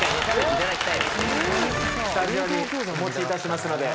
スタジオにお持ちいたしますので。